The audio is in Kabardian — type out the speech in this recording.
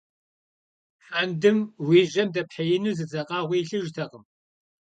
Фэндым уи жьэм дэпхьеину зы дзэкъэгъуи илъыжтэкъым.